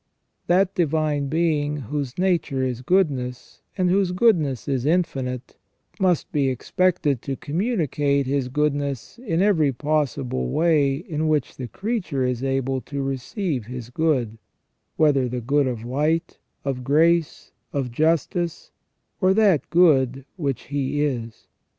That Divine Being whose nature is goodness, and whose good ness is infinite, must be expected to communicate His goodness in every possible way in which the creature is able to receive His good, whether the good of light, of grace, of justice, or that good which He is.